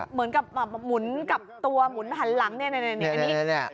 เหมือนกับหันหลังเนี่ยนี่นี่